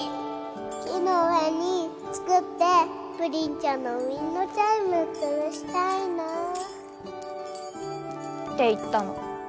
木の上に作ってぷりんちゃんのウインドチャイム吊るしたいなぁって言ったの。